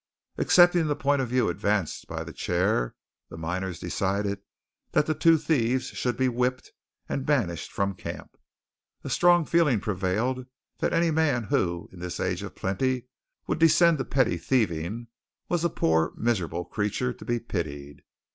Accepting the point of view advanced by the chair, the miners decided that the two thieves should be whipped and banished from camp. A strong feeling prevailed that any man who, in this age of plenty, would descend to petty thieving, was a poor, miserable creature to be pitied.